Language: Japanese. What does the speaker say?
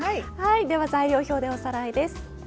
はいでは材料表でおさらいです。